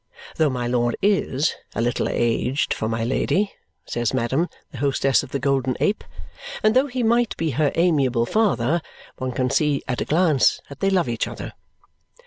Though my Lord IS a little aged for my Lady, says Madame, the hostess of the Golden Ape, and though he might be her amiable father, one can see at a glance that they love each other.